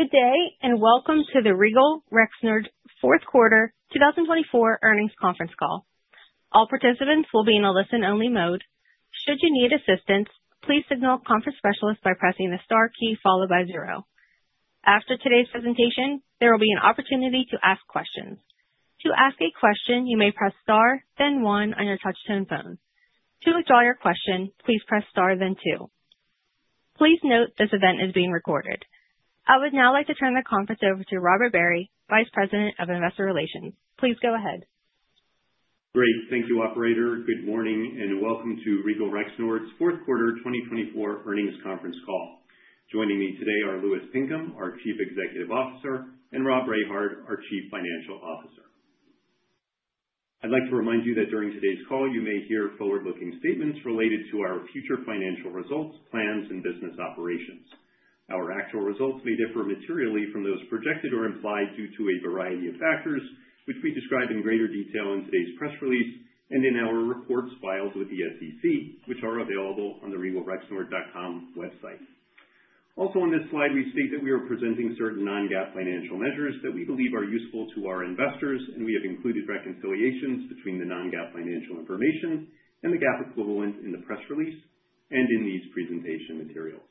Good day, and welcome to the Regal Rexnord Fourth Quarter 2024 earnings conference call. All participants will be in a listen-only mode. Should you need assistance, please signal a conference specialist by pressing the star key followed by zero. After today's presentation, there will be an opportunity to ask questions. To ask a question, you may press star, then one on your touchtone phone. To withdraw your question, please press star, then two. Please note this event is being recorded. I would now like to turn the conference over to Robert Barry, Vice President of Investor Relations. Please go ahead. Great. Thank you, Operator. Good morning and welcome to Regal Rexnord's Fourth Quarter 2024 earnings conference call. Joining me today are Louis Pinkham, our Chief Executive Officer, and Rob Rehard, our Chief Financial Officer. I'd like to remind you that during today's call, you may hear forward-looking statements related to our future financial results, plans, and business operations. Our actual results may differ materially from those projected or implied due to a variety of factors, which we described in greater detail in today's press release and in our reports filed with the SEC, which are available on the regalrexnord.com website. Also, on this slide, we state that we are presenting certain non-GAAP financial measures that we believe are useful to our investors, and we have included reconciliations between the non-GAAP financial information and the GAAP equivalent in the press release and in these presentation materials.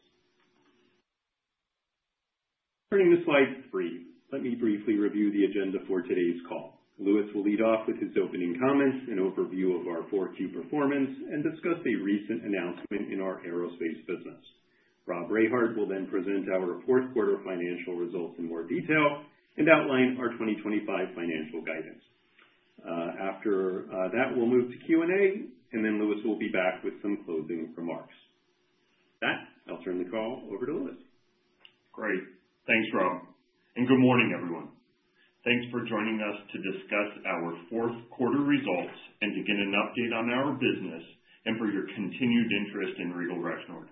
Turning to slide three, let me briefly review the agenda for today's call. Louis will lead off with his opening comments, an overview of our Q4 performance, and discuss a recent announcement in our aerospace business. Rob Rehard will then present our fourth quarter financial results in more detail and outline our 2025 financial guidance. After that, we'll move to Q&A, and then Louis will be back with some closing remarks. With that, I'll turn the call over to Louis. Great. Thanks, Rob. And good morning, everyone. Thanks for joining us to discuss our fourth quarter results and to get an update on our business and for your continued interest in Regal Rexnord.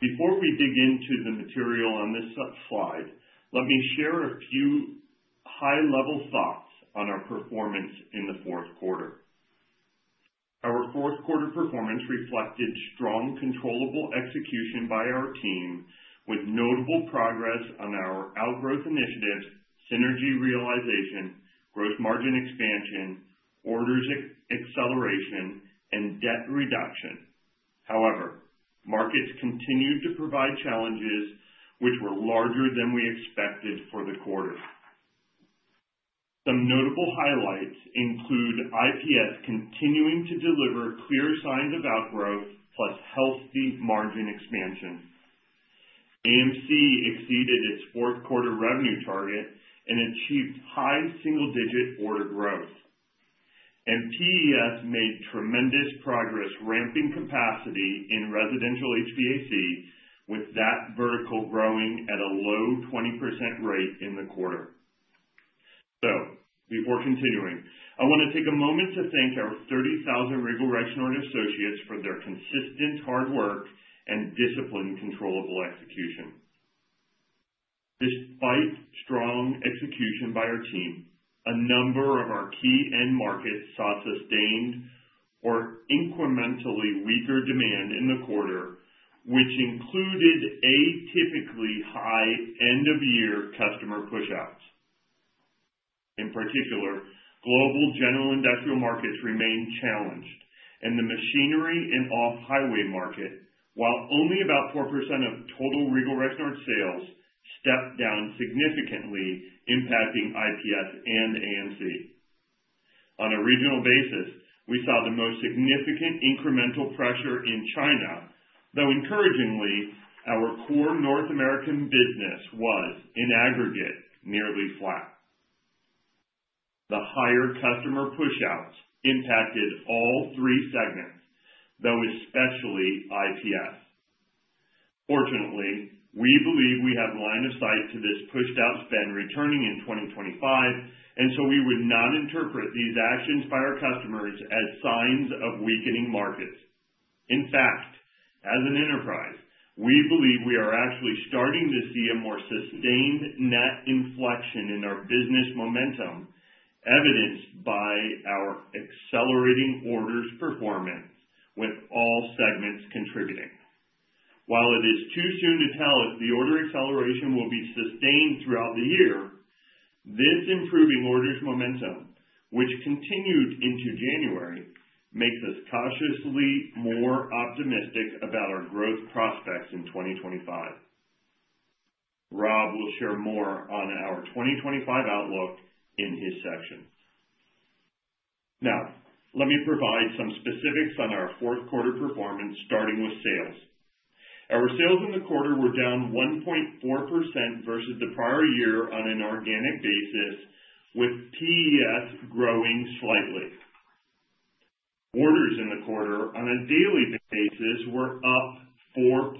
Before we dig into the material on this slide, let me share a few high-level thoughts on our performance in the fourth quarter. Our fourth quarter performance reflected strong, controllable execution by our team, with notable progress on our outgrowth initiatives, synergy realization, gross margin expansion, orders acceleration, and debt reduction. However, markets continued to provide challenges, which were larger than we expected for the quarter. Some notable highlights include IPS continuing to deliver clear signs of outgrowth, plus healthy margin expansion. AMC exceeded its fourth quarter revenue target and achieved high single-digit order growth. And PES made tremendous progress, ramping capacity in residential HVAC, with that vertical growing at a low 20% rate in the quarter. Before continuing, I want to take a moment to thank our 30,000 Regal Rexnord associates for their consistent hard work and disciplined controllable execution. Despite strong execution by our team, a number of our key end markets saw sustained or incrementally weaker demand in the quarter, which included atypically high end-of-year customer push-outs. In particular, global general industrial markets remained challenged, and the machinery and off-highway market, while only about 4% of total Regal Rexnord sales, stepped down significantly, impacting IPS and AMC. On a regional basis, we saw the most significant incremental pressure in China, though encouragingly, our core North American business was, in aggregate, nearly flat. The higher customer push-outs impacted all three segments, though especially IPS. Fortunately, we believe we have line of sight to this pushed-out spend returning in 2025, and so we would not interpret these actions by our customers as signs of weakening markets. In fact, as an enterprise, we believe we are actually starting to see a more sustained net inflection in our business momentum, evidenced by our accelerating orders performance, with all segments contributing. While it is too soon to tell if the order acceleration will be sustained throughout the year, this improving orders momentum, which continued into January, makes us cautiously more optimistic about our growth prospects in 2025. Rob will share more on our 2025 outlook in his section. Now, let me provide some specifics on our fourth quarter performance, starting with sales. Our sales in the quarter were down 1.4% versus the prior year on an organic basis, with PES growing slightly. Orders in the quarter, on a daily basis, were up 4.4%.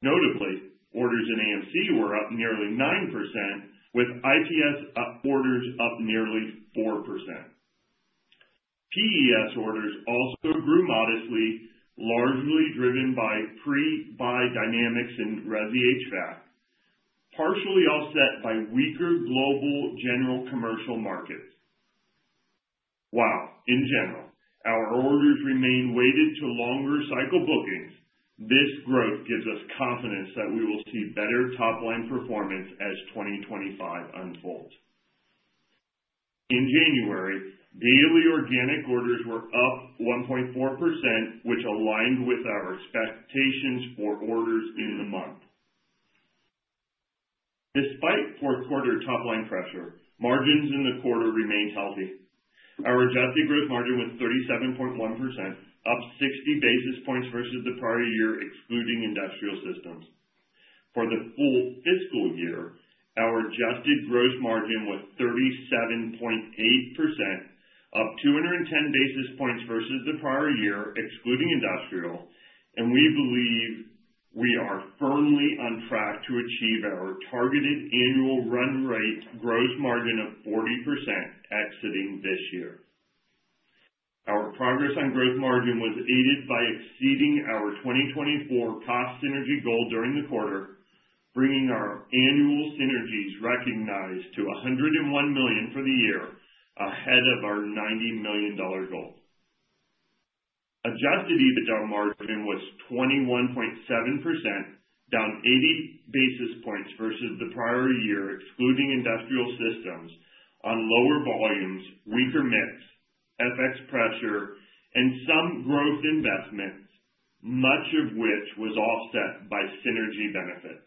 Notably, orders in AMC were up nearly 9%, with IPS orders up nearly 4%. PES orders also grew modestly, largely driven by pre-buy dynamics in Resi HVAC, partially offset by weaker global general commercial markets. While in general, our orders remain weighted to longer cycle bookings, this growth gives us confidence that we will see better top-line performance as 2025 unfolds. In January, daily organic orders were up 1.4%, which aligned with our expectations for orders in the month. Despite fourth quarter top-line pressure, margins in the quarter remained healthy. Our adjusted gross margin was 37.1%, up 60 basis points versus the prior year, excluding industrial Systems. For the full fiscal year, our adjusted gross margin was 37.8%, up 210 basis points versus the prior year, excluding industrial, and we believe we are firmly on track to achieve our targeted annual run rate gross margin of 40% exiting this year. Our progress on gross margin was aided by exceeding our 2024 cost synergy goal during the quarter, bringing our annual synergies recognized to $101 million for the year, ahead of our $90 million goal. Adjusted EBITDA margin was 21.7%, down 80 basis points versus the prior year, excluding industrial systems on lower volumes, weaker mix, FX pressure, and some gross investments, much of which was offset by synergy benefits.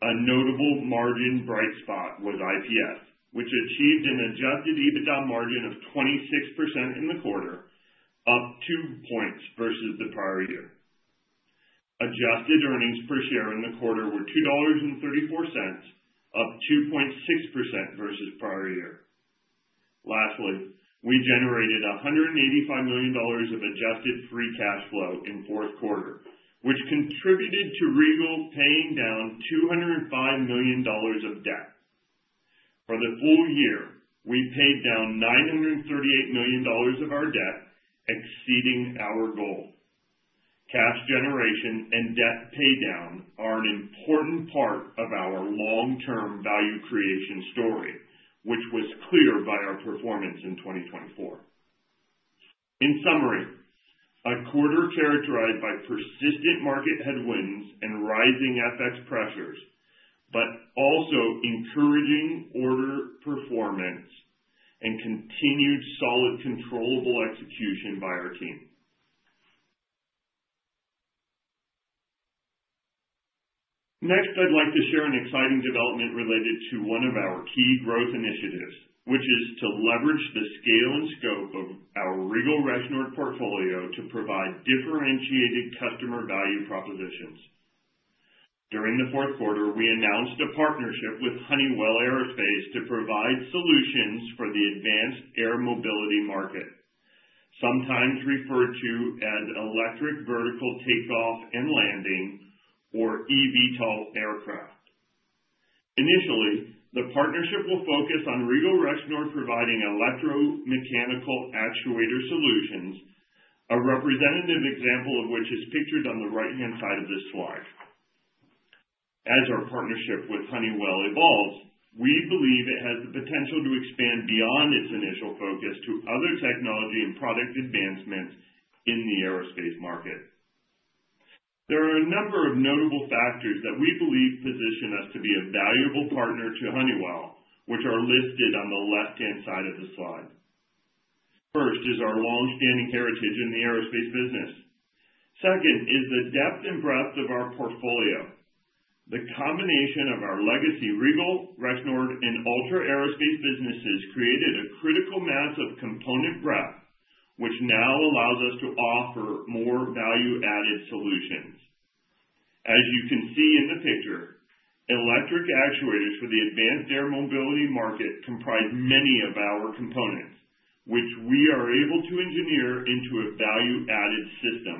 A notable margin bright spot was IPS, which achieved an adjusted EBITDA margin of 26% in the quarter, up two points versus the prior year. Adjusted earnings per share in the quarter were $2.34, up 2.6% versus prior year. Lastly, we generated $185 million of adjusted free cash flow in fourth quarter, which contributed to Regal paying down $205 million of debt. For the full year, we paid down $938 million of our debt, exceeding our goal. Cash generation and debt paydown are an important part of our long-term value creation story, which was clear by our performance in 2024. In summary, a quarter characterized by persistent market headwinds and rising FX pressures, but also encouraging order performance and continued solid controllable execution by our team. Next, I'd like to share an exciting development related to one of our key growth initiatives, which is to leverage the scale and scope of our Regal Rexnord portfolio to provide differentiated customer value propositions. During the fourth quarter, we announced a partnership with Honeywell Aerospace to provide solutions for the advanced air mobility market, sometimes referred to as electric vertical takeoff and landing, or eVTOL aircraft. Initially, the partnership will focus on Regal Rexnord providing electromechanical actuator solutions, a representative example of which is pictured on the right-hand side of this slide. As our partnership with Honeywell evolves, we believe it has the potential to expand beyond its initial focus to other technology and product advancements in the aerospace market. There are a number of notable factors that we believe position us to be a valuable partner to Honeywell, which are listed on the left-hand side of the slide. First is our long-standing heritage in the aerospace business. Second is the depth and breadth of our portfolio. The combination of our legacy Regal, Rexnord, and Altra Aerospace businesses created a critical mass of component breadth, which now allows us to offer more value-added solutions. As you can see in the picture, electric actuators for the advanced air mobility market comprise many of our components, which we are able to engineer into a value-added system.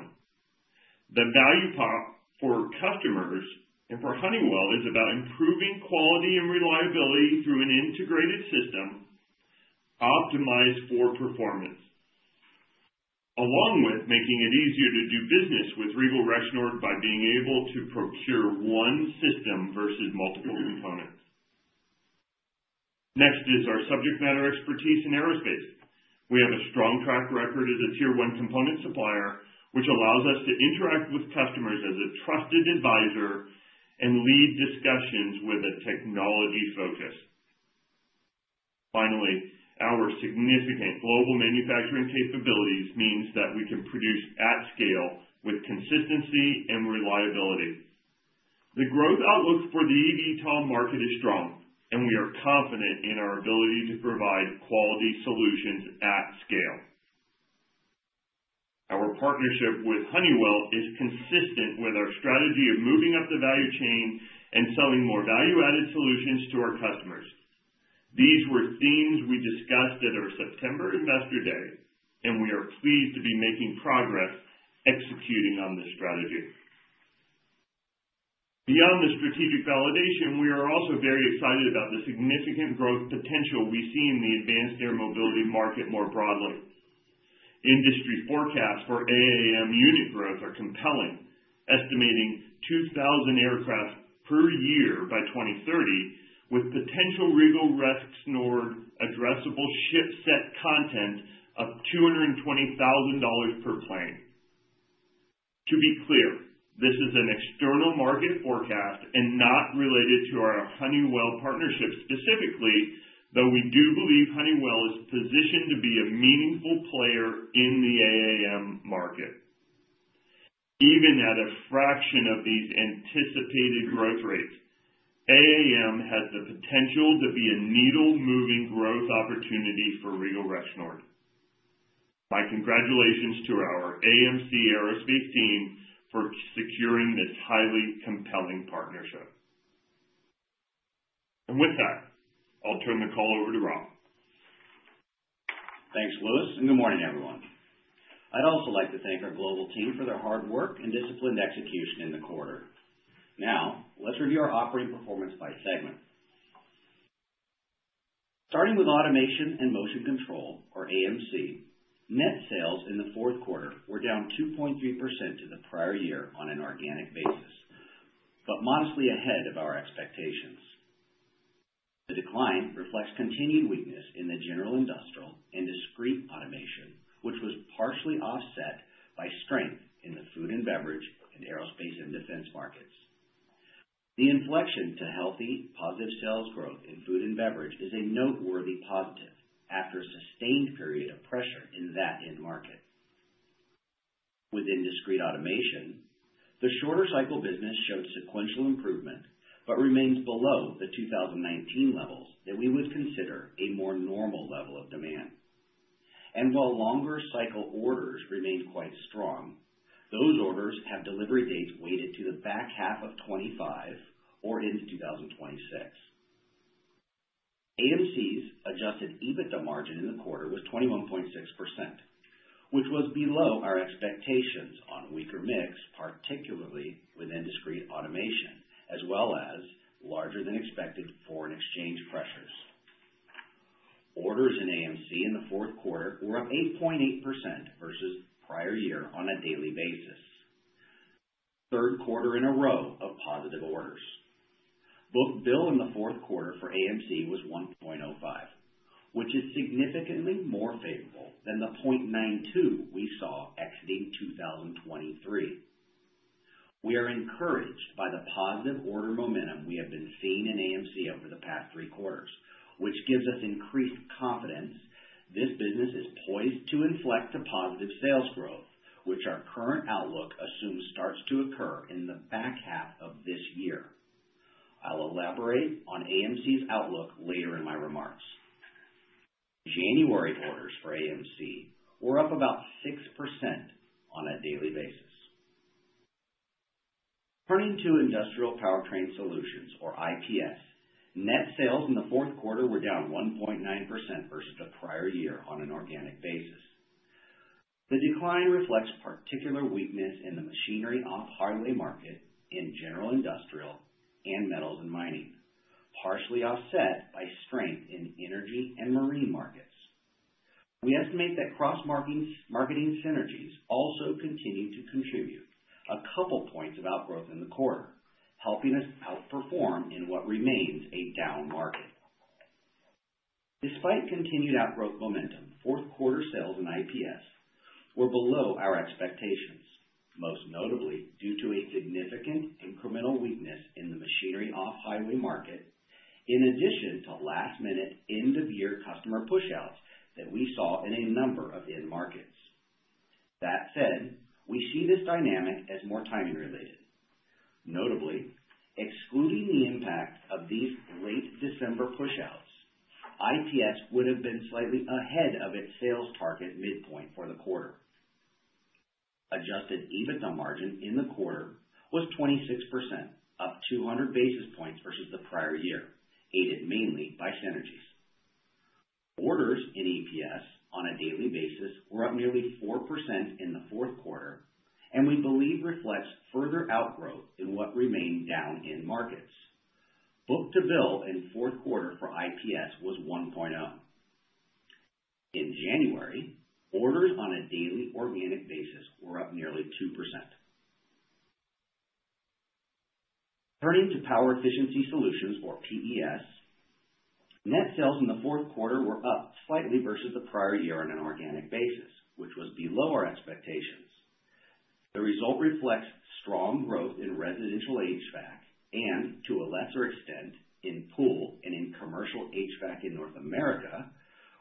The value prop for customers and for Honeywell is about improving quality and reliability through an integrated system optimized for performance, along with making it easier to do business with Regal Rexnord by being able to procure one system versus multiple components. Next is our subject matter expertise in aerospace. We have a strong track record as a tier-one component supplier, which allows us to interact with customers as a trusted advisor and lead discussions with a technology focus. Finally, our significant global manufacturing capabilities mean that we can produce at scale with consistency and reliability. The growth outlook for the eVTOL market is strong, and we are confident in our ability to provide quality solutions at scale. Our partnership with Honeywell is consistent with our strategy of moving up the value chain and selling more value-added solutions to our customers. These were themes we discussed at our September investor day, and we are pleased to be making progress executing on this strategy. Beyond the strategic validation, we are also very excited about the significant growth potential we see in the advanced air mobility market more broadly. Industry forecasts for AAM unit growth are compelling, estimating 2,000 aircraft per year by 2030, with potential Regal Rexnord addressable ship set content of $220,000 per plane. To be clear, this is an external market forecast and not related to our Honeywell partnership specifically, though we do believe Honeywell is positioned to be a meaningful player in the AAM market. Even at a fraction of these anticipated growth rates, AAM has the potential to be a needle-moving growth opportunity for Regal Rexnord. My congratulations to our AMC Aerospace team for securing this highly compelling partnership, and with that, I'll turn the call over to Rob. Thanks, Louis, and good morning, everyone. I'd also like to thank our global team for their hard work and disciplined execution in the quarter. Now, let's review our operating performance by segment. Starting with Automation and Motion Control, or AMC, net sales in the fourth quarter were down 2.3% to the prior year on an organic basis, but modestly ahead of our expectations. The decline reflects continued weakness in the general industrial and discrete automation, which was partially offset by strength in the food and beverage and aerospace and defense markets. The inflection to healthy, positive sales growth in food and beverage is a noteworthy positive after a sustained period of pressure in that end market. Within discrete automation, the shorter cycle business showed sequential improvement but remains below the 2019 levels that we would consider a more normal level of demand. While longer cycle orders remained quite strong, those orders have delivery dates weighted to the back half of 2025 or into 2026. AMC's Adjusted EBITDA margin in the quarter was 21.6%, which was below our expectations on weaker mix, particularly within discrete automation, as well as larger-than-expected foreign exchange pressures. Orders in AMC in the fourth quarter were up 8.8% versus prior year on a daily basis. Third quarter in a row of positive orders. Book-to-bill in the fourth quarter for AMC was 1.05, which is significantly more favorable than the 0.92 we saw exiting 2023. We are encouraged by the positive order momentum we have been seeing in AMC over the past three quarters, which gives us increased confidence this business is poised to inflect to positive sales growth, which our current outlook assumes starts to occur in the back half of this year. I'll elaborate on AMC's outlook later in my remarks. January orders for AMC were up about 6% on a daily basis. Turning to Industrial Powertrain Solutions, or IPS, net sales in the fourth quarter were down 1.9% versus the prior year on an organic basis. The decline reflects particular weakness in the machinery off-highway market in general industrial and metals and mining, partially offset by strength in energy and marine markets. We estimate that cross-marketing synergies also continue to contribute a couple points of outgrowth in the quarter, helping us outperform in what remains a down market. Despite continued outgrowth momentum, fourth quarter sales in IPS were below our expectations, most notably due to a significant incremental weakness in the machinery off-highway market, in addition to last-minute end-of-year customer push-outs that we saw in a number of end markets. That said, we see this dynamic as more timing-related. Notably, excluding the impact of these late December push-outs, IPS would have been slightly ahead of its sales target midpoint for the quarter. Adjusted EBITDA margin in the quarter was 26%, up 200 basis points versus the prior year, aided mainly by synergies. Orders in IPS on a daily basis were up nearly 4% in the fourth quarter, and we believe reflects further outgrowth in what remained down in markets. Book to bill in fourth quarter for IPS was 1.0. In January, orders on a daily organic basis were up nearly 2%. Turning toPower Efficiency Solutions, or PES, net sales in the fourth quarter were up slightly versus the prior year on an organic basis, which was below our expectations. The result reflects strong growth in residential HVAC and, to a lesser extent, in pool and in commercial HVAC in North America,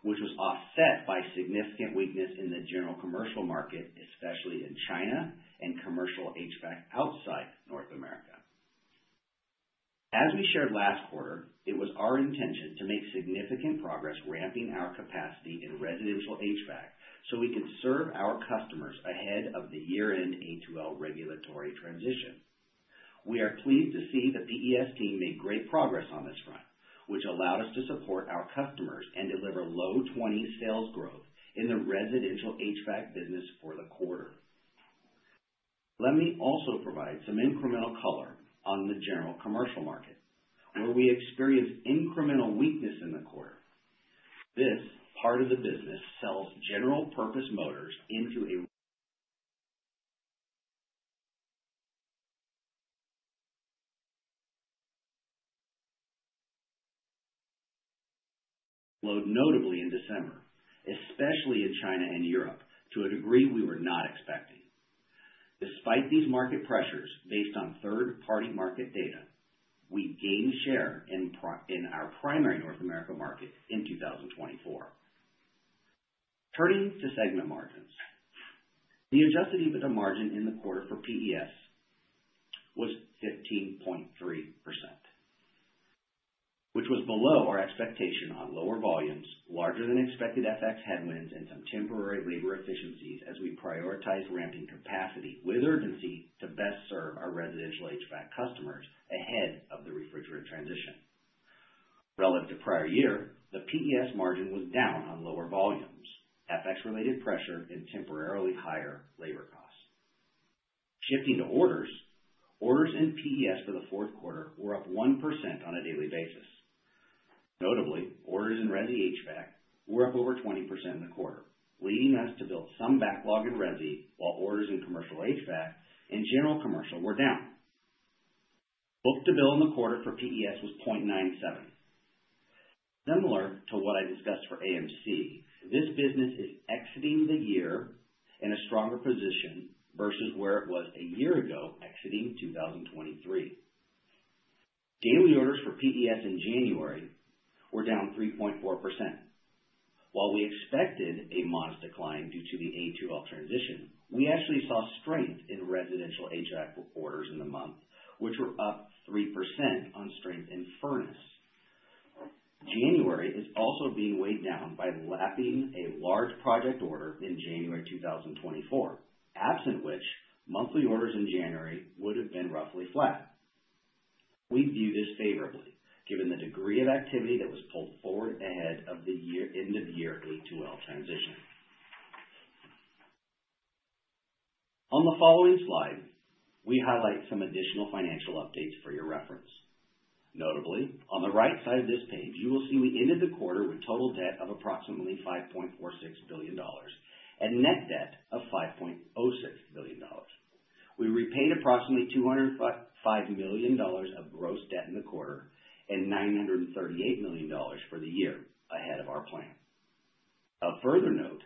which was offset by significant weakness in the general commercial market, especially in China and commercial HVAC outside North America. As we shared last quarter, it was our intention to make significant progress ramping our capacity in residential HVAC so we can serve our customers ahead of the year-end A2L regulatory transition. We are pleased to see the PES team made great progress on this front, which allowed us to support our customers and deliver low 20 sales growth in the residential HVAC business for the quarter. Let me also provide some incremental color on the general commercial market, where we experienced incremental weakness in the quarter. This part of the business sells general-purpose motors into a lull notably in December, especially in China and Europe, to a degree we were not expecting. Despite these market pressures based on third-party market data, we gained share in our primary North America market in 2024. Turning to segment margins, the Adjusted EBITDA margin in the quarter for PES was 15.3%, which was below our expectation on lower volumes, larger-than-expected FX headwinds, and some temporary labor efficiencies as we prioritized ramping capacity with urgency to best serve our residential HVAC customers ahead of the refrigerant transition. Relative to prior year, the PES margin was down on lower volumes, FX-related pressure, and temporarily higher labor costs. Shifting to orders, orders in PES for the fourth quarter were up 1% on a daily basis. Notably, orders in RESI HVAC were up over 20% in the quarter, leading us to build some backlog in RESI while orders in commercial HVAC and general commercial were down. Book-to-bill in the quarter for PES was 0.97. Similar to what I discussed for AMC, this business is exiting the year in a stronger position versus where it was a year ago, exiting 2023. Daily orders for PES in January were down 3.4%. While we expected a modest decline due to the A2L transition, we actually saw strength in residential HVAC orders in the month, which were up 3% on strength in furnace. January is also being weighed down by lapping a large project order in January 2024, absent which monthly orders in January would have been roughly flat. We view this favorably given the degree of activity that was pulled forward ahead of the end-of-year A2L transition. On the following slide, we highlight some additional financial updates for your reference. Notably, on the right side of this page, you will see we ended the quarter with total debt of approximately $5.46 billion and net debt of $5.06 billion. We repaid approximately $205 million of gross debt in the quarter and $938 million for the year ahead of our plan. A further note,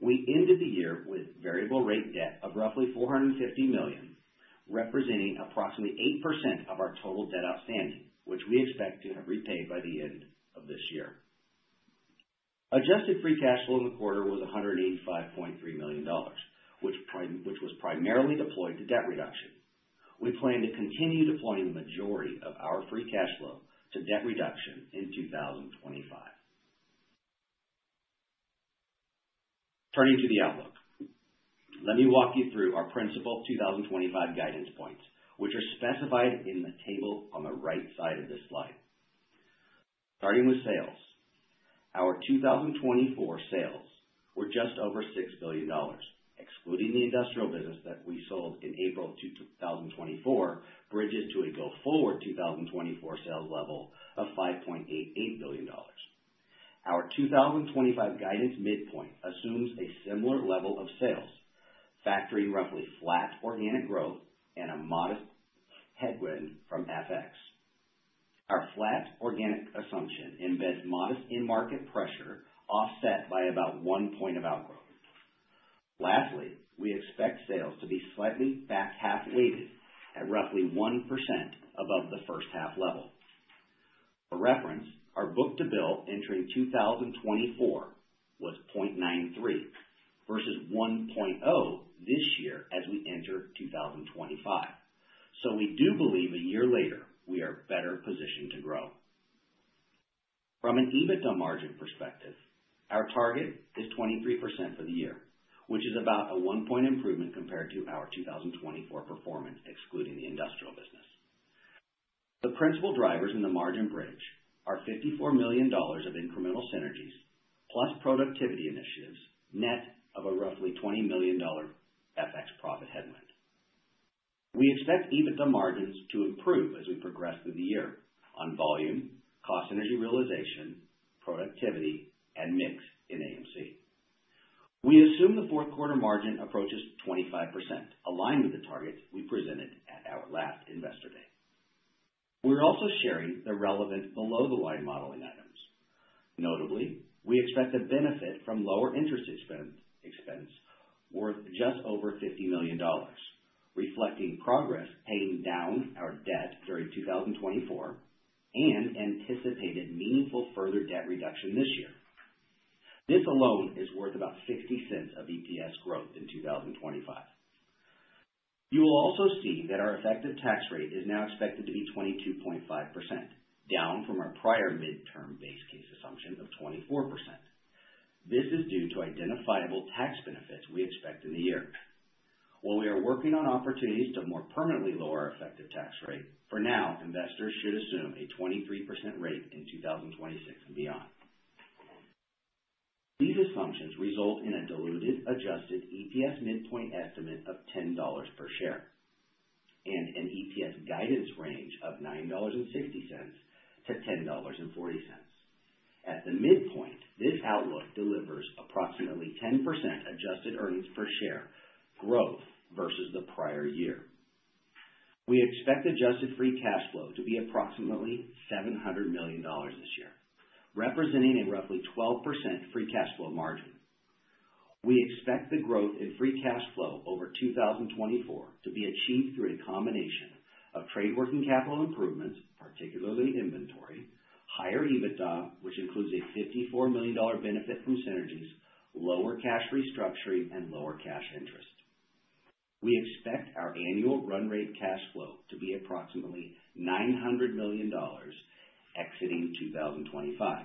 we ended the year with variable-rate debt of roughly $450 million, representing approximately 8% of our total debt outstanding, which we expect to have repaid by the end of this year. Adjusted free cash flow in the quarter was $185.3 million, which was primarily deployed to debt reduction. We plan to continue deploying the majority of our free cash flow to debt reduction in 2025. Turning to the outlook, let me walk you through our principal 2025 guidance points, which are specified in the table on the right side of this slide. Starting with sales, our 2024 sales were just over $6 billion. Excluding the industrial business that we sold in April of 2024, it bridges to a go forward 2024 sales level of $5.88 billion. Our 2025 guidance midpoint assumes a similar level of sales, factoring roughly flat organic growth and a modest headwind from FX. Our flat organic assumption embeds modest in-market pressure offset by about one point of outgrowth. Lastly, we expect sales to be slightly back half-weighted at roughly 1% above the first half level. For reference, our book-to-bill entering 2024 was 0.93 versus 1.0 this year as we enter 2025. So we do believe a year later we are better positioned to grow. From an EBITDA margin perspective, our target is 23% for the year, which is about a one-point improvement compared to our 2024 performance, excluding the industrial business. The principal drivers in the margin bridge are $54 million of incremental synergies plus productivity initiatives, net of a roughly $20 million FX profit headwind. We expect EBITDA margins to improve as we progress through the year on volume, cost-energy realization, productivity, and mix in AMC. We assume the fourth quarter margin approaches 25%, aligned with the targets we presented at our last investor day. We're also sharing the relevant below-the-line modeling items. Notably, we expect to benefit from lower interest expense worth just over $50 million, reflecting progress paying down our debt during 2024 and anticipated meaningful further debt reduction this year. This alone is worth about $0.60 of EPS growth in 2025. You will also see that our effective tax rate is now expected to be 22.5%, down from our prior midterm base case assumption of 24%. This is due to identifiable tax benefits we expect in the year. While we are working on opportunities to more permanently lower our effective tax rate, for now, investors should assume a 23% rate in 2026 and beyond. These assumptions result in a diluted adjusted EPS midpoint estimate of $10 per share and an EPS guidance range of $9.60-$10.40. At the midpoint, this outlook delivers approximately 10% adjusted earnings per share growth versus the prior year. We expect adjusted free cash flow to be approximately $700 million this year, representing a roughly 12% free cash flow margin. We expect the growth in free cash flow over 2024 to be achieved through a combination of trade working capital improvements, particularly inventory, higher EBITDA, which includes a $54 million benefit from synergies, lower cash restructuring, and lower cash interest. We expect our annual run rate cash flow to be approximately $900 million exiting 2025.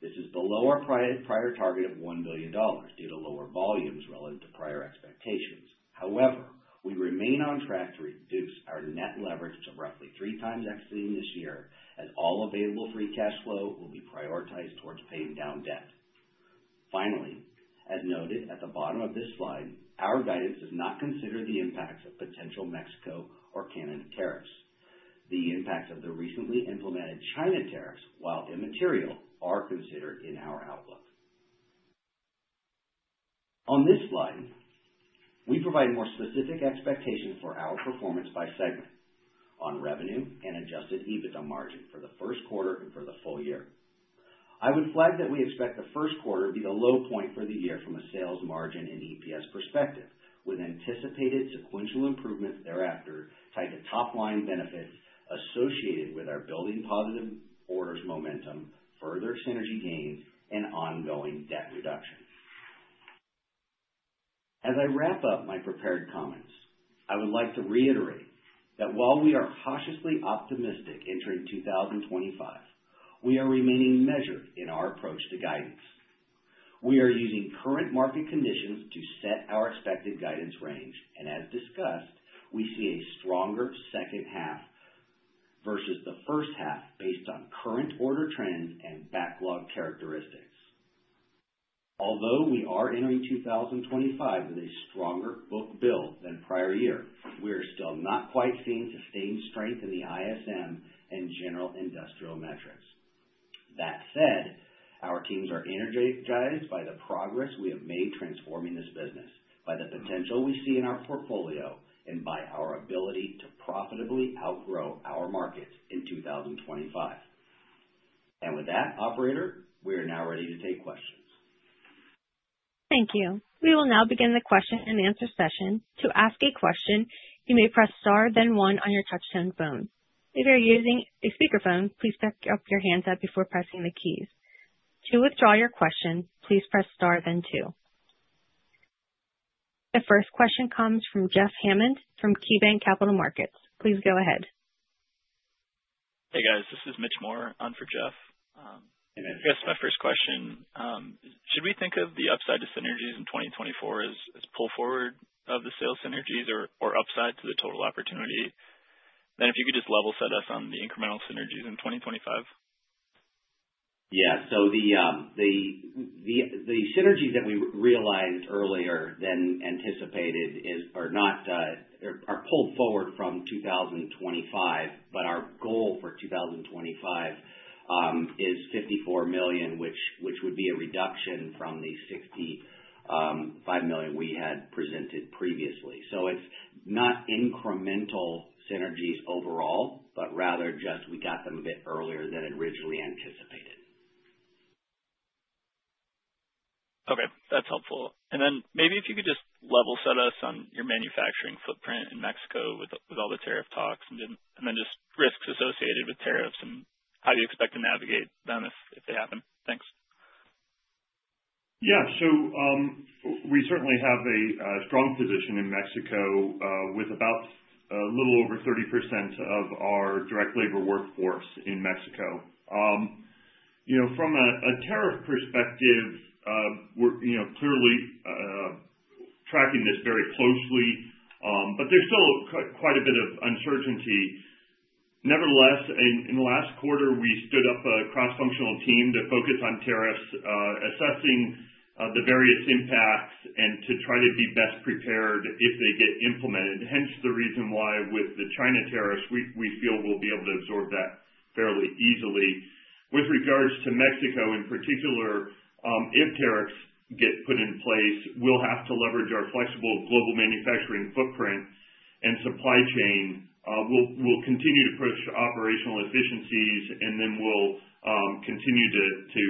This is below our prior target of $1 billion due to lower volumes relative to prior expectations. However, we remain on track to reduce our net leverage to roughly three times exiting this year, as all available free cash flow will be prioritized towards paying down debt. Finally, as noted at the bottom of this slide, our guidance does not consider the impacts of potential Mexico or Canada tariffs. The impacts of the recently implemented China tariffs, while immaterial, are considered in our outlook. On this slide, we provide more specific expectations for our performance by segment on revenue and Adjusted EBITDA margin for the first quarter and for the full year. I would flag that we expect the first quarter to be a low point for the year from a sales margin and EPS perspective, with anticipated sequential improvements thereafter tied to top-line benefits associated with our building positive orders momentum, further synergy gains, and ongoing debt reduction. As I wrap up my prepared comments, I would like to reiterate that while we are cautiously optimistic entering 2025, we are remaining measured in our approach to guidance. We are using current market conditions to set our expected guidance range, and as discussed, we see a stronger second half versus the first half based on current order trends and backlog characteristics. Although we are entering 2025 with a stronger book-to-bill than prior year, we are still not quite seeing sustained strength in the ISM and general industrial metrics. That said, our teams are energized by the progress we have made transforming this business, by the potential we see in our portfolio, and by our ability to profitably outgrow our markets in 2025. And with that, Operator, we are now ready to take questions. Thank you. We will now begin the question and answer session. To ask a question, you may press Star, then 1 on your touch-tone phone. If you're using a speakerphone, please pick up the handset before pressing the keys. To withdraw your question, please press Star, then 2. The first question comes from Jeff Hammond from KeyBanc Capital Markets. Please go ahead. Hey, guys. This is Mitchell Morris on for Jeff. I guess my first question: should we think of the upside to synergies in 2024 as pull forward of the sales synergies or upside to the total opportunity? Then, if you could just level set us on the incremental synergies in 2025. Yeah. So the synergies that we realized earlier than anticipated are pulled forward from 2025, but our goal for 2025 is $54 million, which would be a reduction from the $65 million we had presented previously, so it's not incremental synergies overall, but rather just we got them a bit earlier than originally anticipated. Okay. That's helpful, and then maybe if you could just level set us on your manufacturing footprint in Mexico with all the tariff talks and then just risks associated with tariffs and how you expect to navigate them if they happen. Thanks. Yeah. So we certainly have a strong position in Mexico with about a little over 30% of our direct labor workforce in Mexico. From a tariff perspective, we're clearly tracking this very closely, but there's still quite a bit of uncertainty. Nevertheless, in the last quarter, we stood up a cross-functional team to focus on tariffs, assessing the various impacts and to try to be best prepared if they get implemented. Hence the reason why with the China tariffs, we feel we'll be able to absorb that fairly easily. With regards to Mexico in particular, if tariffs get put in place, we'll have to leverage our flexible global manufacturing footprint and supply chain. We'll continue to push operational efficiencies, and then we'll continue to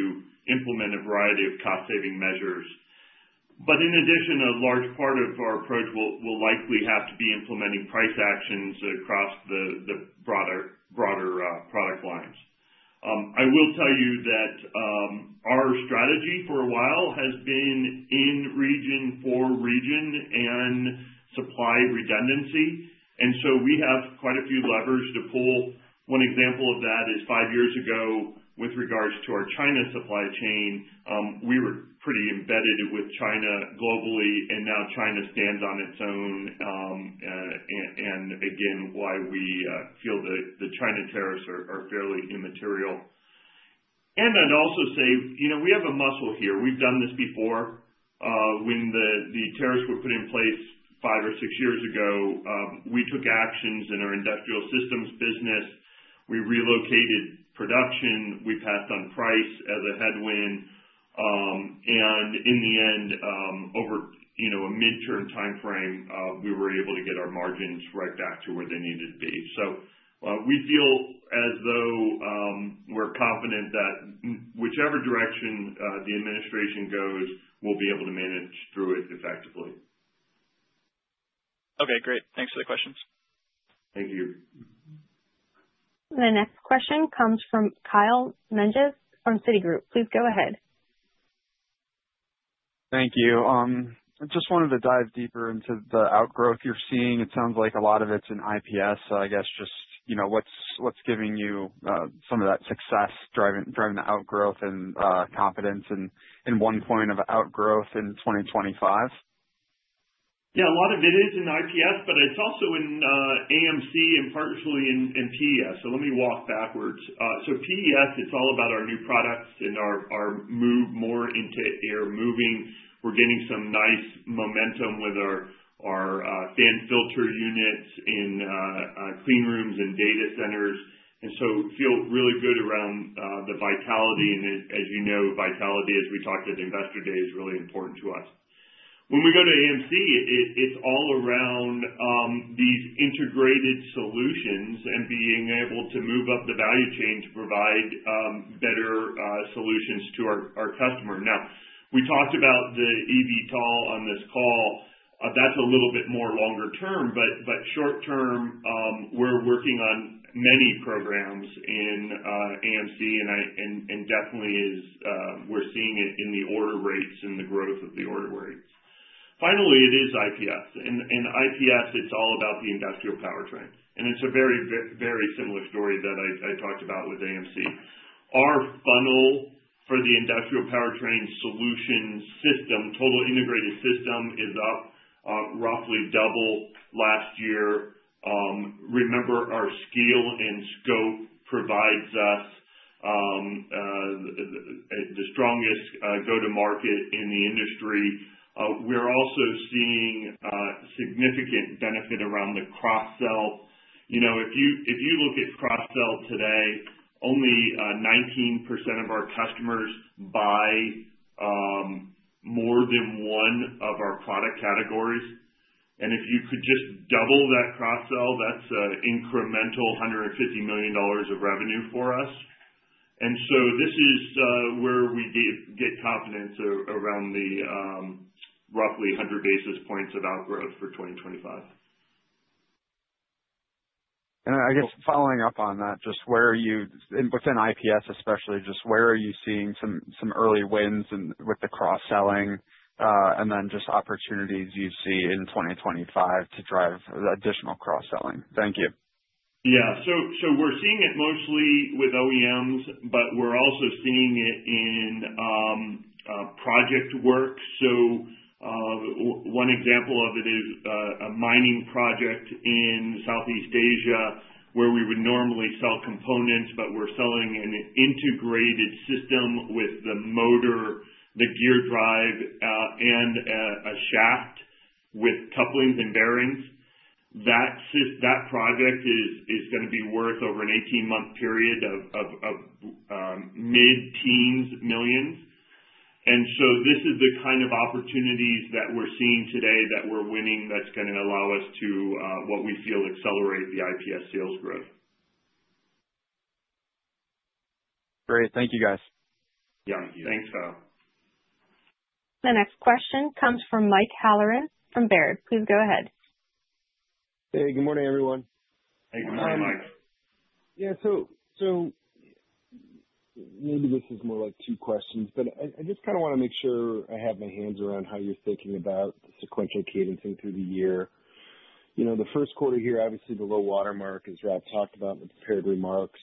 implement a variety of cost-saving measures. In addition, a large part of our approach will likely have to be implementing price actions across the broader product lines. I will tell you that our strategy for a while has been in region for region and supply redundancy. So we have quite a few levers to pull. One example of that is five years ago with regards to our China supply chain. We were pretty embedded with China globally, and now China stands on its own. Again, why we feel the China tariffs are fairly immaterial. I'd also say we have a muscle here. We've done this before. When the tariffs were put in place five or six years ago, we took actions in our Industrial Systems business. We relocated production. We passed on price as a headwind. And in the end, over a midterm timeframe, we were able to get our margins right back to where they needed to be. So we feel as though we're confident that whichever direction the administration goes, we'll be able to manage through it effectively. Okay. Great. Thanks for the questions. Thank you. The next question comes from Kyle Maring from Citi. Please go ahead. Thank you. I just wanted to dive deeper into the outgrowth you're seeing. It sounds like a lot of it's in IPS. So I guess just what's giving you some of that success, driving the outgrowth and confidence in one point of outgrowth in 2025? Yeah. A lot of it is in IPS, but it's also in AMC and partially in PES. So let me walk backwards. So PES, it's all about our new products and our move more into air moving. We're getting some nice momentum with our fan filter units in clean rooms and data centers. And so feel really good around the vitality. And as you know, vitality, as we talked at investor day, is really important to us. When we go to AMC, it's all around these integrated solutions and being able to move up the value chain to provide better solutions to our customer. Now, we talked about the EVTOL on this call. That's a little bit more longer term, but short term, we're working on many programs in AMC, and definitely we're seeing it in the order rates and the growth of the order rates. Finally, it is IPS. And IPS, it's all about the industrial powertrain. And it's a very, very similar story that I talked about with AMC. Our funnel for the Industrial Powertrain Solutions, total integrated system, is up roughly double last year. Remember, our scale and scope provides us the strongest go-to-market in the industry. We're also seeing significant benefit around the cross-sell. If you look at cross-sell today, only 19% of our customers buy more than one of our product categories. And if you could just double that cross-sell, that's an incremental $150 million of revenue for us. And so this is where we get confidence around the roughly 100 basis points of outgrowth for 2025. And I guess following up on that, just within IPS especially, just where are you seeing some early wins with the cross-selling and then just opportunities you see in 2025 to drive additional cross-selling? Thank you. Yeah. So we're seeing it mostly with OEMs, but we're also seeing it in project work. One example of it is a mining project in Southeast Asia where we would normally sell components, but we're selling an integrated system with the motor, the gear drive, and a shaft with couplings and bearings. That project is going to be worth over an 18-month period of mid-teens millions. This is the kind of opportunities that we're seeing today that we're winning that's going to allow us to, what we feel, accelerate the IPS sales growth. Great. Thank you, guys. Yeah. Thanks, Kyle. The next question comes from Mike Halloran from Baird. Please go ahead. Hey. Good morning, everyone. Hey. Good morning, Mike. Yeah. So maybe this is more like two questions, but I just kind of want to make sure I have my hands around how you're thinking about sequential cadencing through the year. The first quarter here, obviously, the low watermark is Rob talked about in the prepared remarks.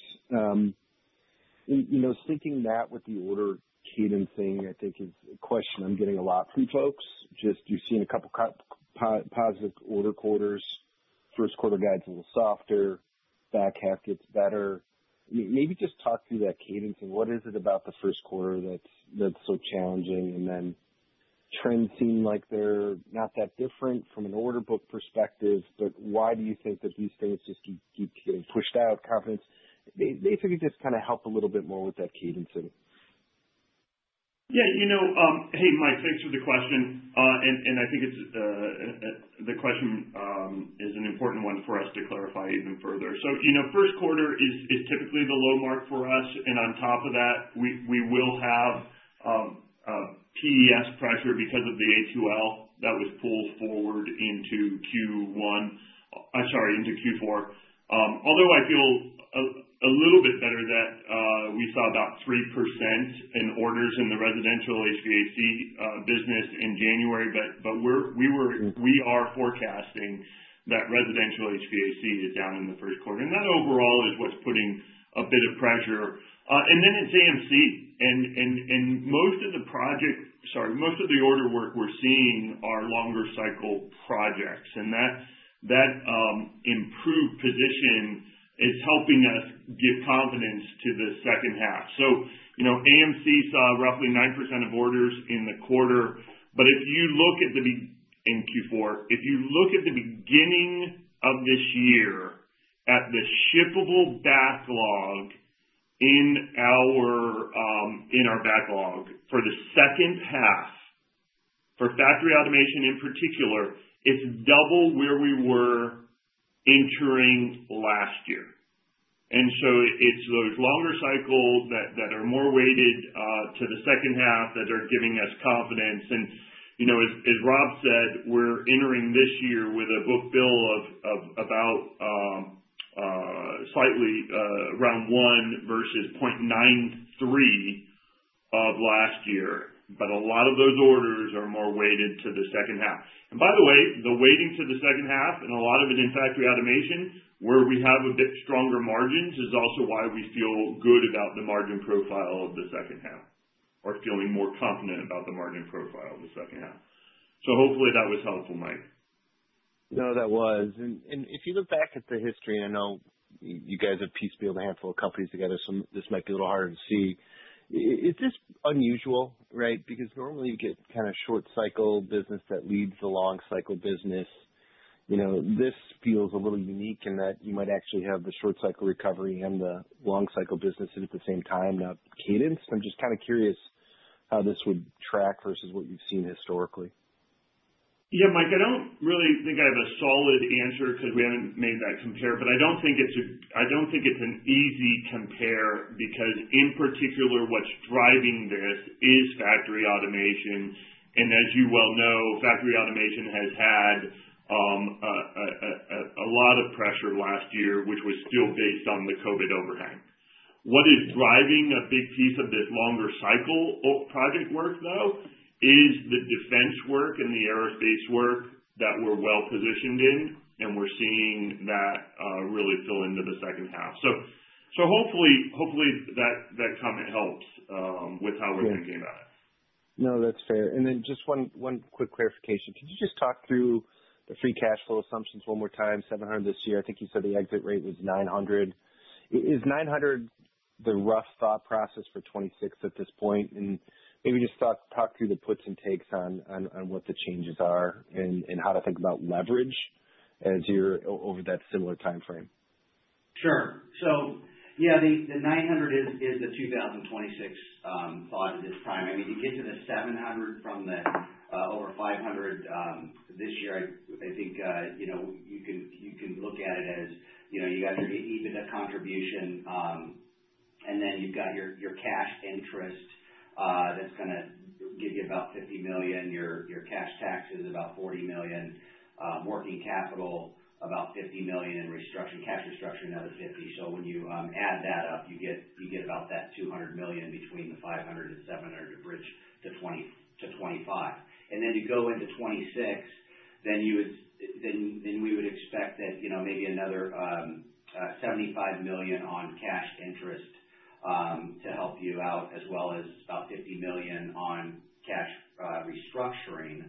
Thinking that with the order cadencing, I think is a question I'm getting a lot from folks. Just you've seen a couple of positive order quarters. First quarter guides a little softer. Back half gets better. Maybe just talk through that cadence and what is it about the first quarter that's so challenging? And then trends seem like they're not that different from an order book perspective, but why do you think that these things just keep getting pushed out? Confidence. Basically, just kind of help a little bit more with that cadencing. Yeah. Hey, Mike, thanks for the question, and I think the question is an important one for us to clarify even further. So first quarter is typically the low mark for us. And on top of that, we will have PES pressure because of the A2L that was pulled forward into Q1. I'm sorry, into Q4. Although I feel a little bit better that we saw about 3% in orders in the residential HVAC business in January, but we are forecasting that residential HVAC is down in the first quarter. And that overall is what's putting a bit of pressure. And then it's AMC. And most of the project, sorry, most of the order work we're seeing are longer cycle projects. And that improved position is helping us give confidence to the second half. So AMC saw roughly 9% of orders in the quarter. But if you look at the in Q4, if you look at the beginning of this year at the shippable backlog in our backlog for the second half, for factory automation in particular, it's double where we were entering last year. And so it's those longer cycles that are more weighted to the second half that are giving us confidence. And as Rob said, we're entering this year with a book bill of about slightly around one versus 0.93 of last year. But a lot of those orders are more weighted to the second half. And by the way, the weighting to the second half and a lot of it in factory automation, where we have a bit stronger margins, is also why we feel good about the margin profile of the second half or feeling more confident about the margin profile of the second half. So hopefully that was helpful, Mike. No, that was. And if you look back at the history, and I know you guys have pieced together a handful of companies, so this might be a little harder to see. Is this unusual, right? Because normally you get kind of short cycle business that leads the long cycle business. This feels a little unique in that you might actually have the short cycle recovery and the long cycle business at the same time. Now, cadence, I'm just kind of curious how this would track versus what you've seen historically. Yeah, Mike, I don't really think I have a solid answer because we haven't made that compare. But I don't think it's an easy compare because in particular, what's driving this is factory automation. And as you well know, factory automation has had a lot of pressure last year, which was still based on the COVID overhang. What is driving a big piece of this longer cycle project work, though, is the defense work and the aerospace work that we're well positioned in. And we're seeing that really fill into the second half. So hopefully that comment helps with how we're thinking about it. No, that's fair. And then just one quick clarification. Could you just talk through the free cash flow assumptions one more time? $700 million this year. I think you said the exit rate was $900 million. Is $900 million the rough thought process for 2026 at this point? And maybe just talk through the puts and takes on what the changes are and how to think about leverage as you're over that similar timeframe. Sure. So yeah, the 900 is the 2026 thought at this time. I mean, to get to the 700 from the over 500 this year, I think you can look at it as you got your EBITDA contribution, and then you've got your cash interest that's going to give you about 50 million, your cash taxes about 40 million, working capital about 50 million, and cash restructuring another 50. So when you add that up, you get about that 200 million between the 500 and 700 to bridge to 2025. And then you go into 2026, then we would expect that maybe another 75 million on cash interest to help you out, as well as about 50 million on cash restructuring,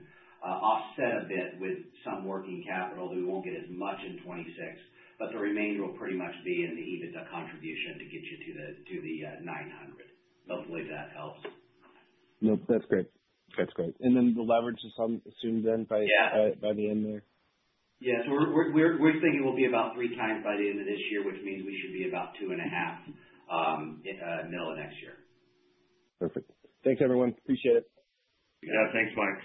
offset a bit with some working capital. We won't get as much in 2026, but the remainder will pretty much be in the EBITDA contribution to get you to the 900. Hopefully that helps. Nope. That's great. That's great. And then the leverage is assumed then by the end there? Yeah. So we're thinking we'll be about three times by the end of this year, which means we should be about two and a half middle of next year. Perfect. Thanks, everyone. Appreciate it. Yeah. Thanks, Mike.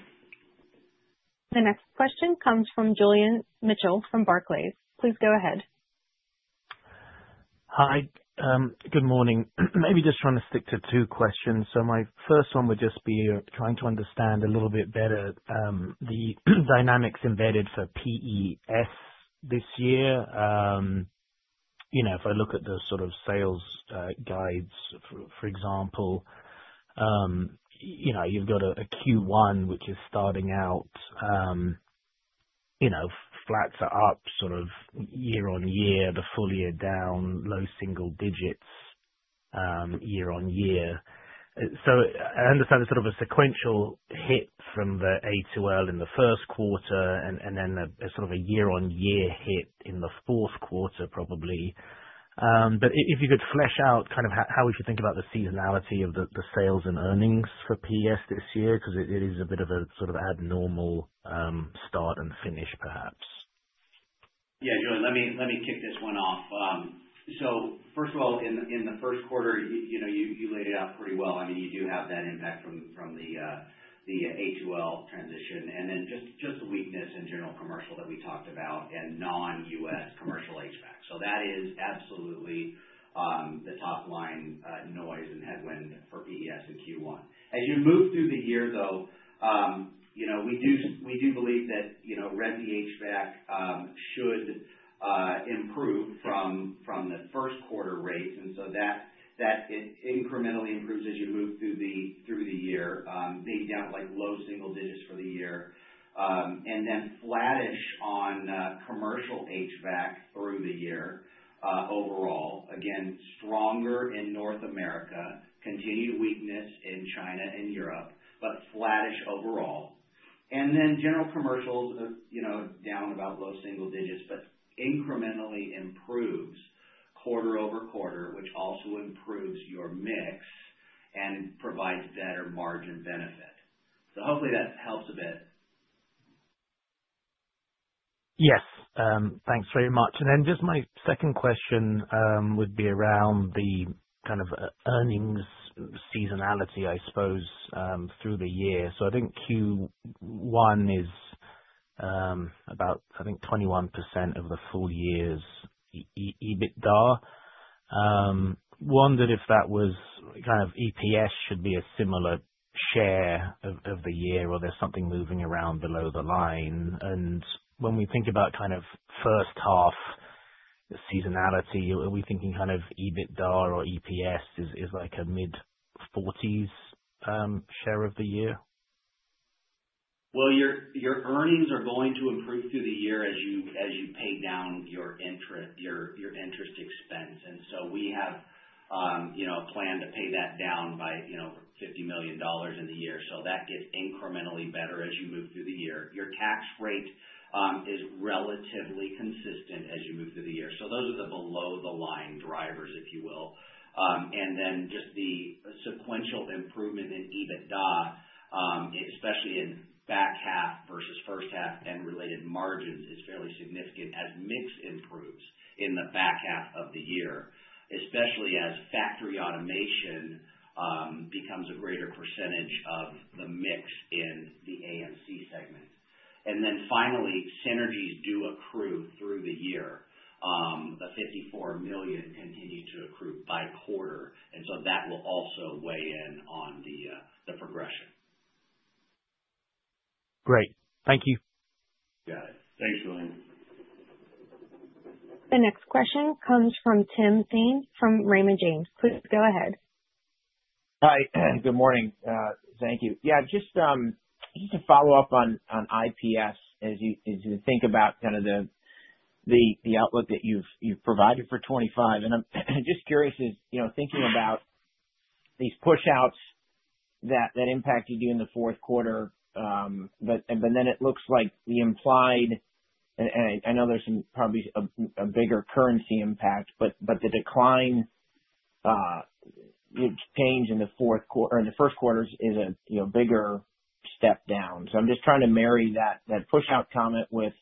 The next question comes from Julian Mitchell from Barclays. Please go ahead. Hi. Good morning. Maybe just trying to stick to two questions. So my first one would just be trying to understand a little bit better the dynamics embedded for PES this year. If I look at the sort of sales guides, for example, you've got a Q1 which is starting out, flat sort of year on year, the full year down, low single digits year on year. So I understand there's sort of a sequential hit from the A2L in the first quarter and then a sort of a year-on-year hit in the fourth quarter probably. But if you could flesh out kind of how we should think about the seasonality of the sales and earnings for PES this year because it is a bit of a sort of abnormal start and finish, perhaps. Yeah. Joe, let me kick this one off. So first of all, in the first quarter, you laid it out pretty well. I mean, you do have that impact from the A2L transition. And then just the weakness in general commercial that we talked about and non-US commercial HVAC. So that is absolutely the top-line noise and headwind for PES in Q1. As you move through the year, though, we do believe that revenue HVAC should improve from the first quarter rates. And so that incrementally improves as you move through the year, maybe down to low single digits for the year. And then flattish on commercial HVAC through the year overall. Again, stronger in North America, continued weakness in China and Europe, but flattish overall. And then general commercials down about low single digits, but incrementally improves quarter over quarter, which also improves your mix and provides better margin benefit. So hopefully that helps a bit. Yes. Thanks very much. And then just my second question would be around the kind of earnings seasonality, I suppose, through the year. I think Q1 is about 21% of the full year's EBITDA. I wondered if that was kind of EPS should be a similar share of the year or there's something moving around below the line. When we think about kind of first half seasonality, are we thinking kind of EBITDA or EPS is like a mid-40s share of the year? Your earnings are going to improve through the year as you pay down your interest expense. We have planned to pay that down by $50 million in the year. That gets incrementally better as you move through the year. Your tax rate is relatively consistent as you move through the year. Those are the below-the-line drivers, if you will. And then just the sequential improvement in EBITDA, especially in back half versus first half and related margins, is fairly significant as mix improves in the back half of the year, especially as factory automation becomes a greater percentage of the mix in the AMC segment. And then finally, synergies do accrue through the year. The $54 million continues to accrue by quarter. And so that will also weigh in on the progression. Great. Thank you. Got it. Thanks, Julian. The next question comes from Tim Thein from Raymond James. Please go ahead. Hi. Good morning. Thank you. Yeah. Just to follow up on IPS, as you think about kind of the outlook that you've provided for 2025. And I'm just curious, thinking about these push-outs that impacted you in the fourth quarter, but then it looks like the implied, and I know there's probably a bigger currency impact, but the decline change in the first quarter is a bigger step down. So I'm just trying to marry that push-out comment with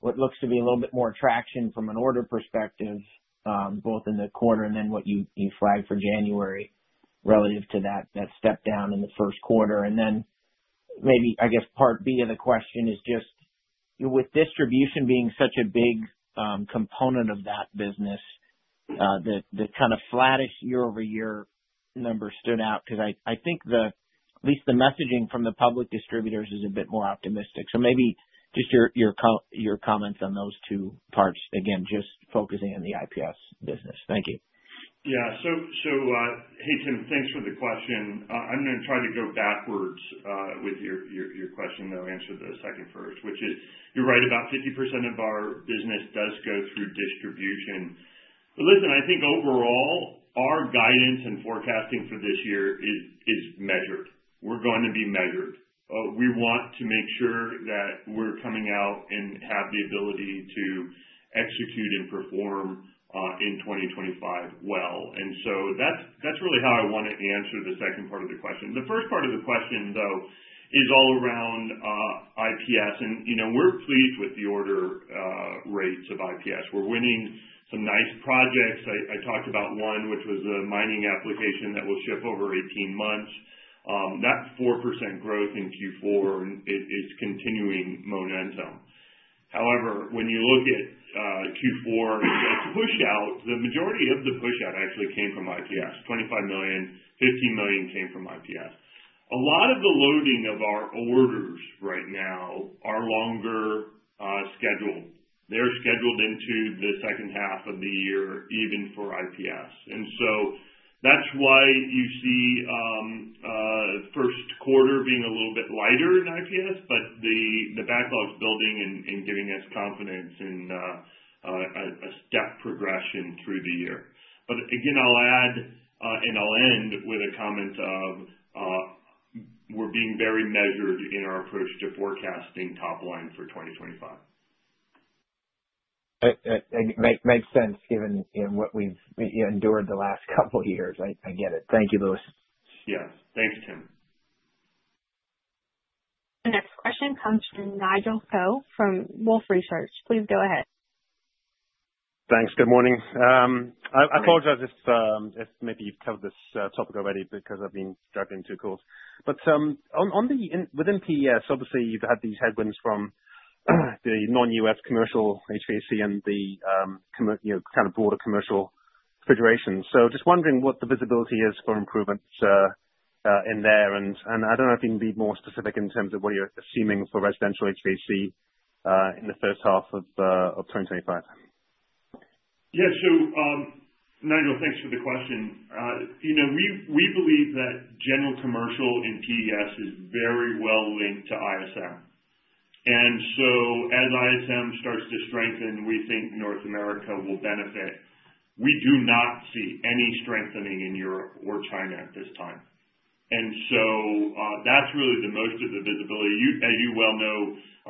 what looks to be a little bit more traction from an order perspective, both in the quarter and then what you flagged for January relative to that step down in the first quarter. And then maybe, I guess, part B of the question is just, with distribution being such a big component of that business, the kind of flattish year-over-year number stood out because I think at least the messaging from the public distributors is a bit more optimistic. So maybe just your comments on those two parts, again, just focusing on the IPS business. Thank you. Yeah. So hey, Tim, thanks for the question. I'm going to try to go backwards with your question, though, answer the second first, which is you're right about 50% of our business does go through distribution. But listen, I think overall, our guidance and forecasting for this year is measured. We're going to be measured. We want to make sure that we're coming out and have the ability to execute and perform in 2025 well. And so that's really how I want to answer the second part of the question. The first part of the question, though, is all around IPS. And we're pleased with the order rates of IPS. We're winning some nice projects. I talked about one, which was a mining application that will ship over 18 months. That 4% growth in Q4 is continuing momentum. However, when you look at Q4, the majority of the push-out actually came from IPS. $25 million, $15 million came from IPS. A lot of the loading of our orders right now are longer scheduled. They're scheduled into the second half of the year, even for IPS. And so that's why you see first quarter being a little bit lighter in IPS, but the backlog's building and giving us confidence in a step progression through the year. But again, I'll add, and I'll end with a comment of we're being very measured in our approach to forecasting top line for 2025. Makes sense given what we've endured the last couple of years. I get it. Thank you, Louis. Yes. Thanks, Tim. The next question comes from Nigel Coe from Wolfe Research. Please go ahead. Thanks. Good morning. I apologize if maybe you've covered this topic already because I've been dragged into calls, but within PES, obviously, you've had these headwinds from the non-US commercial HVAC and the kind of broader commercial refrigeration. So just wondering what the visibility is for improvements in there. And I don't know if you can be more specific in terms of what you're assuming for residential HVAC in the first half of 2025. Yeah. So Nigel, thanks for the question. We believe that general commercial in PES is very well linked to ISM, and so as ISM starts to strengthen, we think North America will benefit. We do not see any strengthening in Europe or China at this time, and so that's really the most of the visibility. As you well know,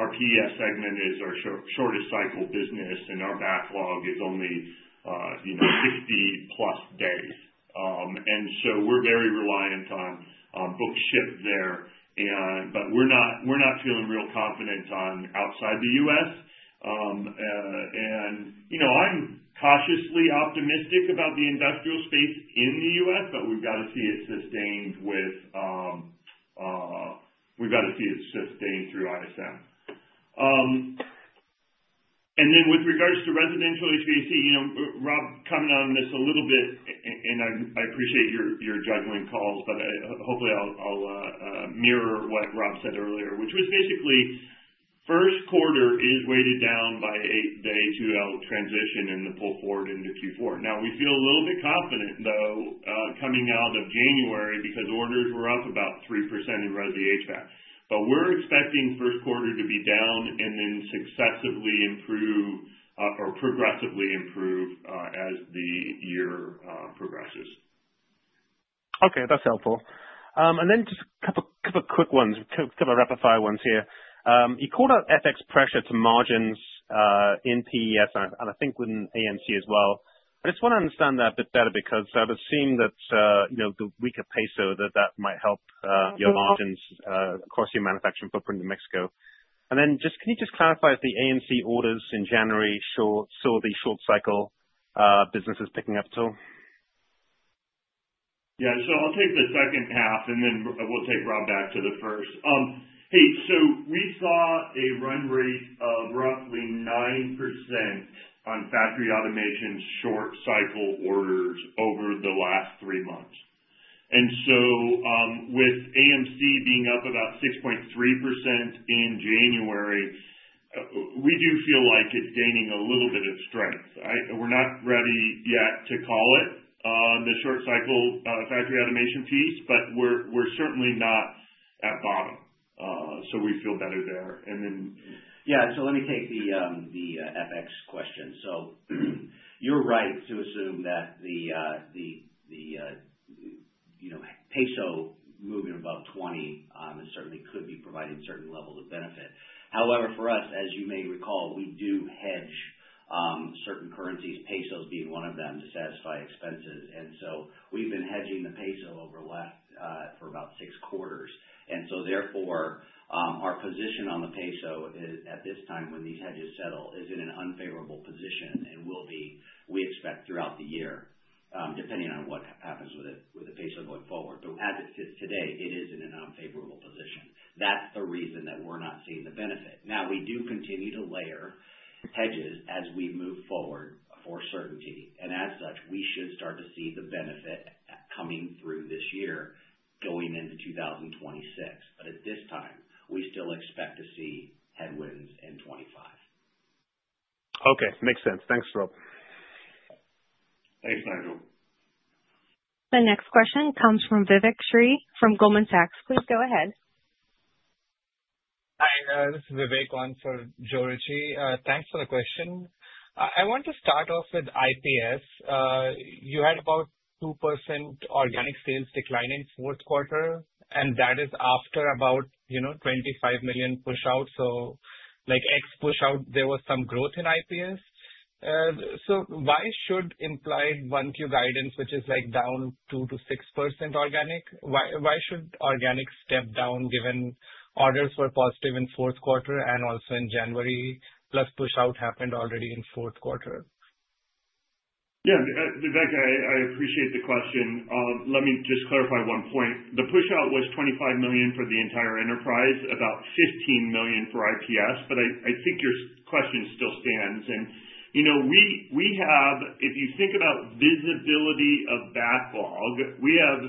our PES segment is our shortest cycle business, and our backlog is only 60-plus days. And so we're very reliant on book-to-ship there. But we're not feeling real confident outside the U.S. And I'm cautiously optimistic about the industrial space in the U.S., but we've got to see it sustained through ISM. And then with regards to residential HVAC, Rob, coming on this a little bit, and I appreciate your juggling calls, but hopefully I'll mirror what Rob said earlier, which was basically first quarter is weighted down by the A2L transition and the pull forward into Q4. Now, we feel a little bit confident, though, coming out of January because orders were up about 3% in residential HVAC. But we're expecting first quarter to be down and then successively improve or progressively improve as the year progresses. Okay. That's helpful. And then just a couple of quick ones, a couple of rapid-fire ones here. You called out FX pressure to margins in PES, and I think within AMC as well. I just want to understand that a bit better because I've assumed that the weaker peso that might help your margins across your manufacturing footprint in Mexico. And then just can you just clarify if the AMC orders in January saw the short cycle businesses picking up at all? Yeah. So I'll take the second half, and then we'll take Rob back to the first. Hey, so we saw a run rate of roughly 9% on factory automation short cycle orders over the last three months. And so with AMC being up about 6.3% in January, we do feel like it's gaining a little bit of strength. We're not ready yet to call it the short cycle factory automation piece, but we're certainly not at bottom. So we feel better there. And then. Yeah. So let me take the FX question. So you're right to assume that the peso moving above 20 certainly could be providing certain levels of benefit. However, for us, as you may recall, we do hedge certain currencies, pesos being one of them, to satisfy expenses. And so we've been hedging the peso over the last for about six quarters. And so therefore, our position on the peso at this time, when these hedges settle, is in an unfavorable position and will be, we expect, throughout the year, depending on what happens with the peso going forward. But as it sits today, it is in an unfavorable position. That's the reason that we're not seeing the benefit. Now, we do continue to layer hedges as we move forward for certainty. And as such, we should start to see the benefit coming through this year going into 2026. But at this time, we still expect to see headwinds in 2025. Okay. Makes sense. Thanks, Rob. Thanks, Nigel. The next question comes from Vivek Srivastava from Goldman Sachs. Please go ahead. Hi. This is Vivek on for Joe Ritchie. Thanks for the question. I want to start off with IPS. You had about 2% organic sales decline in fourth quarter, and that is after about $25 million push-out. So ex push-out, there was some growth in IPS. So why should implied 1Q guidance, which is down 2%-6% organic, why should organic step down given orders were positive in fourth quarter and also in January, plus push-out happened already in fourth quarter? Yeah. Vivek, I appreciate the question. Let me just clarify one point. The push-out was $25 million for the entire enterprise, about $15 million for IPS. But I think your question still stands. And we have, if you think about visibility of backlog, we have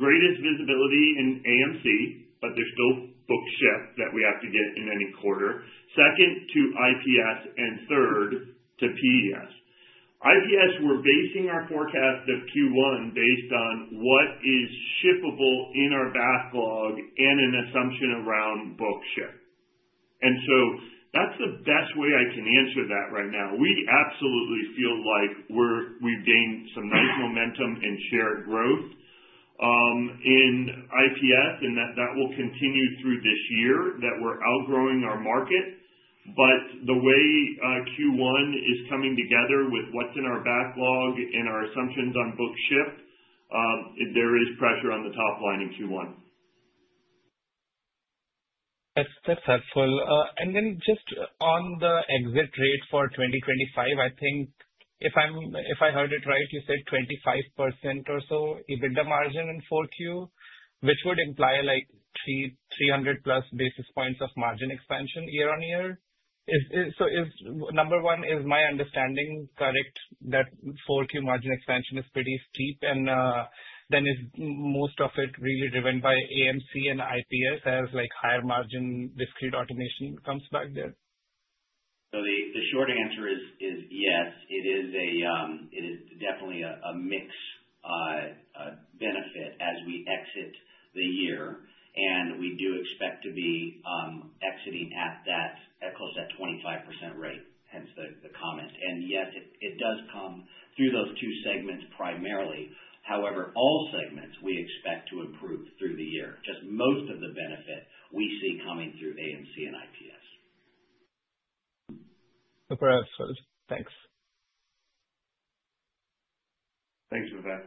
greatest visibility in AMC, but there's still bookship that we have to get in any quarter. Second to IPS and third to PES. IPS, we're basing our forecast of Q1 based on what is shippable in our backlog and an assumption around bookship. And so that's the best way I can answer that right now. We absolutely feel like we've gained some nice momentum and shared growth in IPS, and that will continue through this year that we're outgrowing our market. But the way Q1 is coming together with what's in our backlog and our assumptions on bookship, there is pressure on the top line in Q1. That's helpful. And then just on the exit rate for 2025, I think, if I heard it right, you said 25% or so EBITDA margin in 4Q, which would imply 300-plus basis points of margin expansion year on year. So number one, is my understanding correct that 4Q margin expansion is pretty steep, and then is most of it really driven by AMC and IPS as higher margin discrete automation comes back there? So the short answer is yes. It is definitely a mixed benefit as we exit the year. And we do expect to be exiting at close to that 25% rate, hence the comment. And yes, it does come through those two segments primarily. However, all segments, we expect to improve through the year. Just most of the benefit we see coming through AMC and IPS. That's what I thought. Thanks. Thanks, Vivek.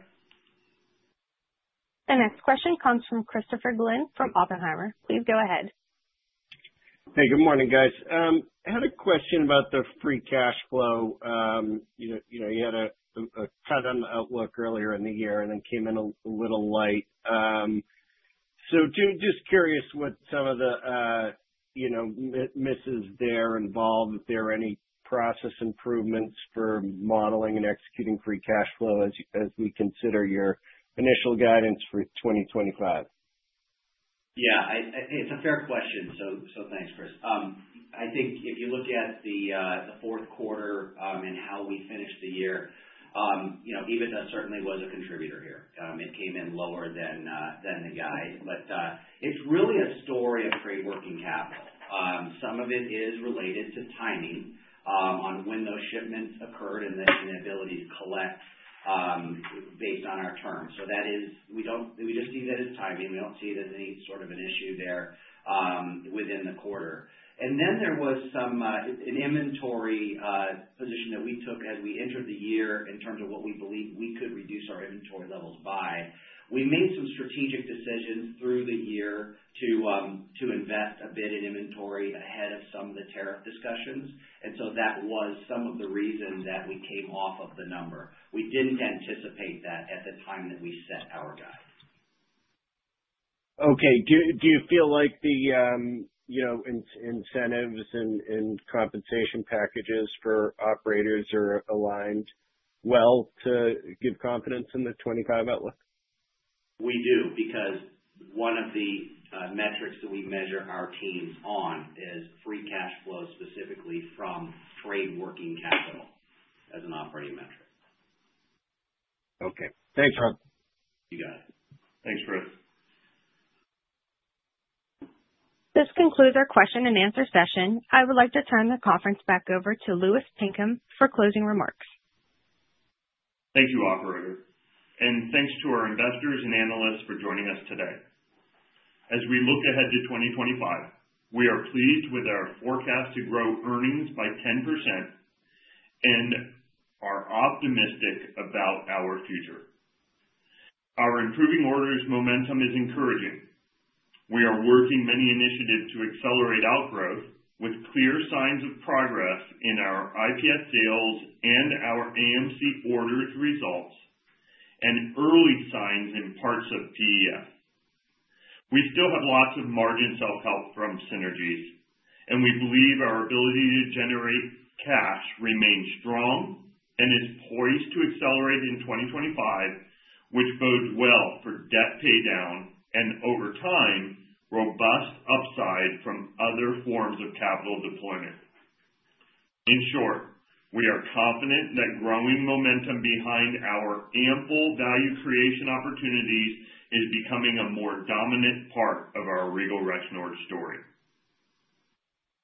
The next question comes from Christopher Glynn from Oppenheimer. Please go ahead. Hey, good morning, guys. I had a question about the free cash flow. You had a cut on the outlook earlier in the year and then came in a little late. So just curious what some of the misses there involved. Is there any process improvements for modeling and executing free cash flow as we consider your initial guidance for 2025? Yeah. It's a fair question. So thanks, Chris. I think if you look at the fourth quarter and how we finished the year, EBITDA certainly was a contributor here. It came in lower than the guide. But it's really a story of great working capital. Some of it is related to timing on when those shipments occurred and the ability to collect based on our terms. So we just see that as timing. We don't see it as any sort of an issue there within the quarter. And then there was an inventory position that we took as we entered the year in terms of what we believe we could reduce our inventory levels by. We made some strategic decisions through the year to invest a bit in inventory ahead of some of the tariff discussions. And so that was some of the reason that we came off of the number. We didn't anticipate that at the time that we set our guide. Okay. Do you feel like the incentives and compensation packages for operators are aligned well to give confidence in the 2025 outlook? We do because one of the metrics that we measure our teams on is free cash flow specifically from trade working capital as an operating metric. Okay. Thanks, Rob. You got it. Thanks, Chris. This concludes our question-and-answer session. I would like to turn the conference back over to Louis Pinkham for closing remarks. Thank you, Operator, and thanks to our investors and analysts for joining us today. As we look ahead to 2025, we are pleased with our forecast to grow earnings by 10% and are optimistic about our future. Our improving orders momentum is encouraging. We are working many initiatives to accelerate outgrowth with clear signs of progress in our IPS sales and our AMC orders results and early signs in parts of PES. We still have lots of margin self-help from synergies, and we believe our ability to generate cash remains strong and is poised to accelerate in 2025, which bodes well for debt paydown and, over time, robust upside from other forms of capital deployment. In short, we are confident that growing momentum behind our ample value creation opportunities is becoming a more dominant part of our Regal Rexnord story.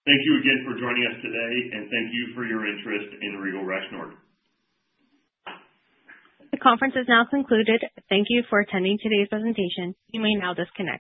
Thank you again for joining us today, and thank you for your interest in Regal Rexnord. The conference is now concluded. Thank you for attending today's presentation. You may now disconnect.